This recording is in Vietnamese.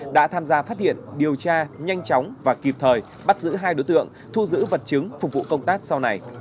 đã tham gia phát hiện điều tra nhanh chóng và kịp thời bắt giữ hai đối tượng thu giữ vật chứng phục vụ công tác sau này